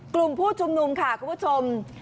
กลุ่มผู้ชุมนุมค่ะคุณผู้ชม